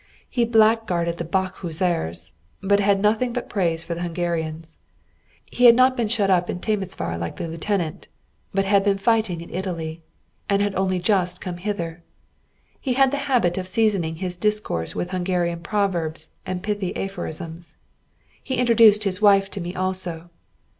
He blackguarded the "Bach hussars," but had nothing but praise for the Hungarians. He had not been shut up in Temesvar like the lieutenant, but had been fighting in Italy, and had only just come hither. He had the habit of seasoning his discourse with Hungarian proverbs and pithy aphorisms. He introduced his wife to me also.